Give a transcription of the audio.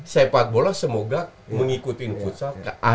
sepat bola semoga mengikutin futsal